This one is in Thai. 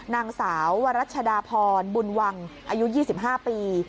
นางสาววรัชดาพรบุญวังอายุ๒๕ปี